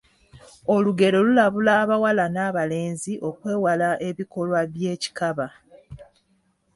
Olugero lulabula abawala n’abalenzi okwewala ebikolwa by’ekikaba.